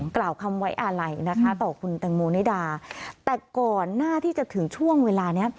กล่าวคำไว้อาลัยนะคะต่อคุณแตงโมนิดาแต่ก่อนหน้าที่จะถึงช่วงเวลานี้